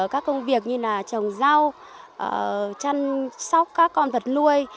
các công việc như là trồng rau chăn sóc các con thật nuôi